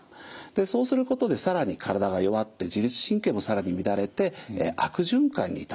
そうすることで更に体が弱って自律神経も更に乱れて悪循環に至っていく。